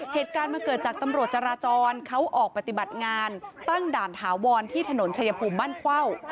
เหตุการณ์มันเกิดจากตำรวจจราจรเขาออกปฏิบัติงานตั้งด่านถาวรที่ถนนชายภูมิบ้านเข้า